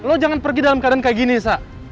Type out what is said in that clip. lo jangan pergi dalam keadaan kayak gini sa